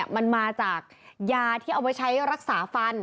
มันมาจากยาที่เอาไว้ใช้รักษาฟัน